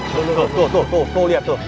tuh tuh tuh tuh tuh liat tuh